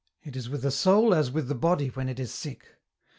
It is with the soul as with the body when it is sick.